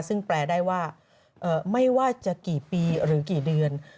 ซึ่งแปลได้ว่าไม่ว่าจะกี่ปีหรือกี่เดือน